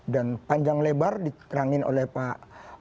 dan panjang lebar diterangin oleh pak